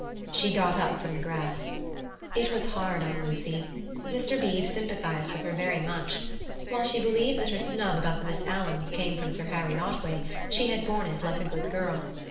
'" She got up from the grass. It was hard on Lucy. Mr. Beebe sympathized with her very much. While she believed that her snub about the Miss Alans came from Sir Harry Otway, she had borne it like a good girl.